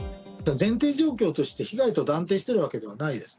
前提状況として、被害と断定しているわけではないです。